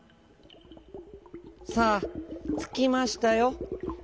「さあつきましたよ」。